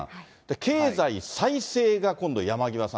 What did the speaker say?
経済再生が今度は山際さん。